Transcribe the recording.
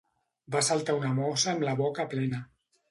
Va saltar una mossa amb la boca plena